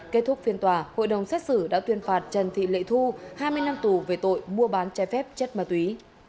kết thúc phiên tòa hội đồng xét xử đã tuyên phạt trần thị lệ thu hai mươi năm tù về tội mua bán trái phép chất ma túy